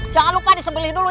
jangan lupa disebelih dulu ya